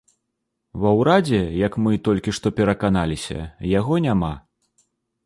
Ва ўрадзе, як мы толькі што пераканаліся, яго няма.